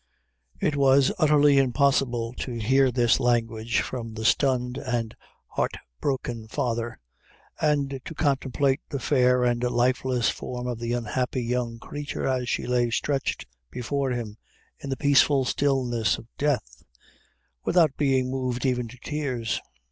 It was utterly impossible to hear this language from the stunned and heart broken father, and to contemplate the fair and lifeless form of the unhappy young creature as she lay stretched before him in the peaceful stillness of death, without being moved even to tears.